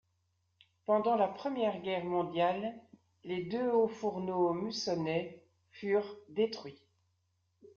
Pendant la Première Guerre mondiale, les deux hauts fourneaux mussonais furent détruits.